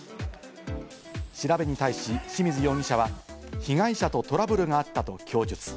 調べに対し清水容疑者は被害者とトラブルがあったと供述。